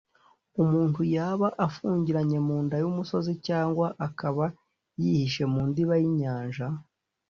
umuntu yaba afungiranye mu nda y’umusozi cyangwa akaba yihishe mu ndiba y’inyanja